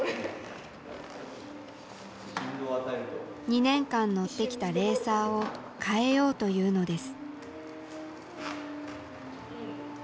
２年間乗ってきたレーサーを換えようというのです。